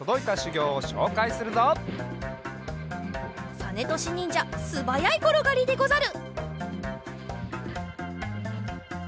さねとしにんじゃすばやいころがりでござる！